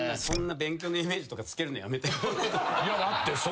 そんな勉強のイメージとかつけるのやめて。